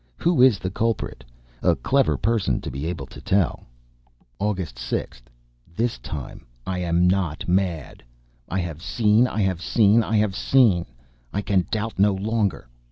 Who is the culprit? A clever person, to be able to tell. August 6th. This time I am not mad. I have seen ... I have seen ... I have seen!... I can doubt no longer